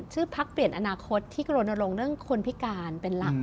ชื่อพักเปลี่ยนอนาคตที่กรณรงค์เรื่องคนพิการเป็นหลัก